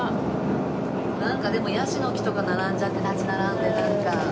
なんかでもヤシの木とか並んじゃって立ち並んでなんか。